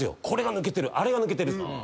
これが抜けてるあれが抜けてる。